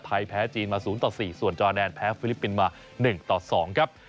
ไทยแพ้จีนมา๐ต่อ๔ส่วนจอแดนแพ้ฟิลิปปินส์มา๑ต่อ๒ครับ